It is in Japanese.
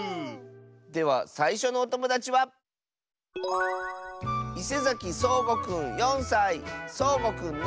ではさいしょのおともだちはそうごくんの。